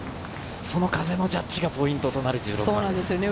風のジャッジがポイントとなる１６番ですね。